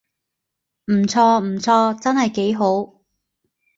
唔錯唔錯，真係幾好